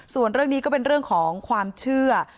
ส่วนเรื่องนี้ก็เป็นเรื่องของความเชื่อ